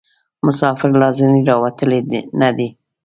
مسافر لا ځني راوتلي نه دي.